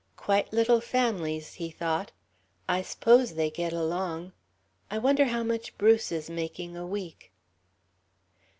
"Quite little families," he thought. "I s'pose they get along.... I wonder how much Bruce is making a week?"